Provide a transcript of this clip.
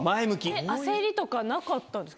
焦りとかなかったんですか？